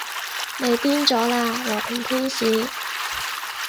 你癲咗喇，和平天使